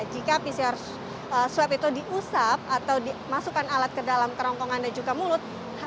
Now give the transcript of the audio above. jika pcr swab itu diusap atau dimasukkan alat ke dalam kerongkongan dan juga mulut